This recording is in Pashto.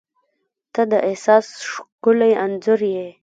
• ته د احساس ښکلی انځور یې.